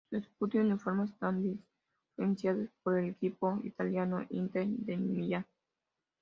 Su escudo y uniforme están influenciados por el equipo italiano Inter de Milán.